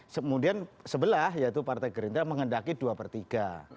kemudian sebelah yaitu partai gerindra mengendaki dua per tiga